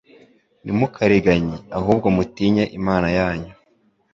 Ntimukariganye, ahubwo mutinye Imana yanyu.»